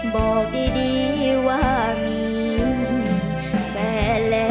บอกดีว่ามีแฟนแล้ว